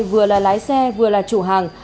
vừa là lái xe vừa là chủ hàng